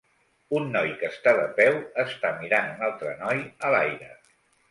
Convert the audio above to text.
Un noi que està de peu està mirant un altre noi a l'aire.